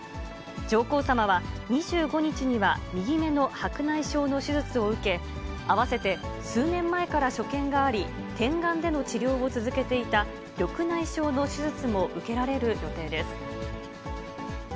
上皇さまは、２５日には右目の白内障の手術を受け、併せて、数年前から所見があり、点眼での治療を続けていた緑内障の手術も受けられる予定です。